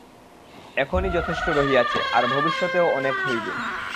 এখনই যথেষ্ট রহিয়াছে, আর ভবিষ্যতেও অনেক হইবে।